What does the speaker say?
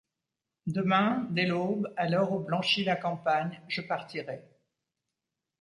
Demain, dès l’aube, à l’heure où blanchit la campagne, Je partirai.